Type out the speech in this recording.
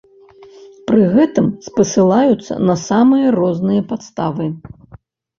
Пры гэтым спасылаюцца на самыя розныя падставы.